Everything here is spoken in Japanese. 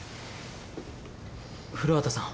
古畑さん。